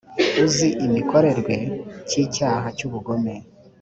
uzi imikorerwe cy’icyaha cy’ubugome